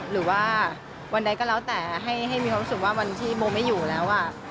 หรือว่าวันใดก็แล้วแต่ให้มีความรู้สึกว่าวันที่โมไม่อยู่แล้ว